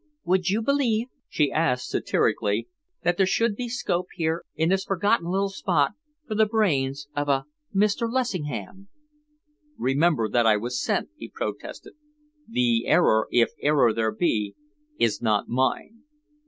"Would one believe," she asked satirically, "that there should be scope here in this forgotten little spot for the brains of a Mr. Lessingham!" "Remember that I was sent," he protested. "The error, if error there be, is not mine."